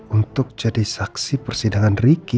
untuk jadi saksi persidangan ricky